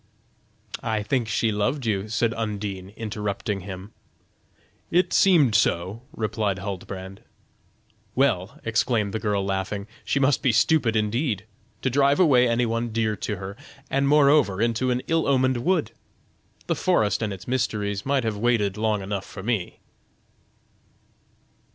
"I think she loved you," said Undine, interrupting him. "It seemed so," replied Huldbrand. "Well," exclaimed the girl, laughing, "she must be stupid indeed. To drive away any one dear to her. And moreover, into an ill omened wood. The forest and its mysteries might have waited long enough for me!"